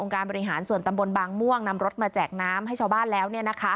การบริหารส่วนตำบลบางม่วงนำรถมาแจกน้ำให้ชาวบ้านแล้ว